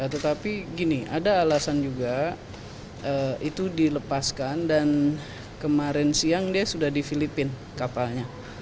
tetapi gini ada alasan juga itu dilepaskan dan kemarin siang dia sudah di filipina kapalnya